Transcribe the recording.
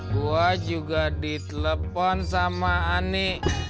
gue juga ditelepon sama ani